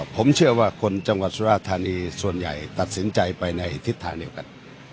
ผมเชื่อว่าคนจังหวัดสุราธานีส่วนใหญ่ตัดสินใจไปในทิศทางเดียวกัน